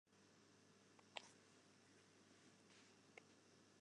Fan moarns ôf kinne jo hjir terjochte foar in kop kofje.